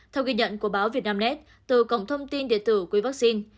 theo ghi nhận của báo vietnamnet từ cổng thông tin điện tử quỹ vaccine